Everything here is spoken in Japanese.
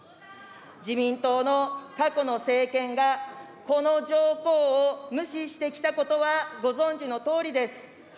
自民党の過去の政権が、この条項を無視してきたことはご存じのとおりです。